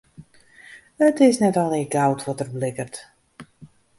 It is net allegearre goud wat der blikkert.